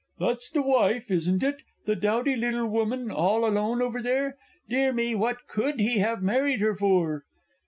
That's the wife, isn't it? the dowdy little woman, all alone, over there? Dear me, what could he have married her for?